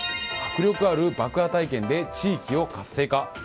迫力ある爆破体験で地域を活性化。